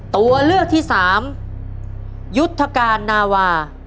ตัวเลือกที่สามยุทธการนาวา